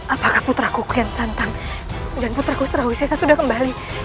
apakah putraku ken santan dan putraku strahwisa sudah kembali